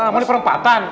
mau di perempatan